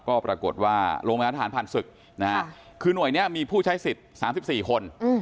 ก็ปรากฏว่าโรงพยาบาลทหารผ่านศึกคือหน่วยนี้มีผู้ใช้สิทธิ์๓๔คน